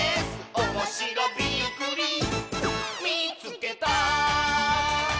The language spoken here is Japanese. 「おもしろびっくりみいつけた！」